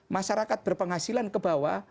masyarakat berpenghasilan ke bawah